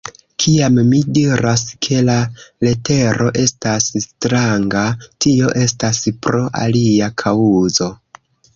Kiam mi diras, ke la letero estas stranga, tio estas pro alia kaŭzo.